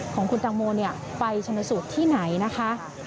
ของคุณตังโมไปชนสูตรที่ไหนนะคะ